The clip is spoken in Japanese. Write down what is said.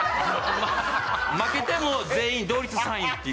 負けても全員同率３位という。